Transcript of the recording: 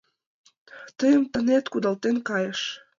Тыйым таҥет кудалтен кайыш